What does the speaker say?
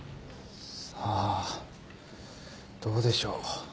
さあどうでしょう。